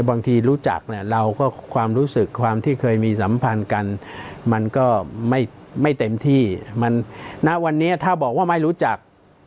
บางทีรู้จักเนี่ยเราก็ความรู้สึกความที่เคยมีสัมพันธ์กันมันก็ไม่เต็มที่มันณวันนี้ถ้าบอกว่าไม่รู้จัก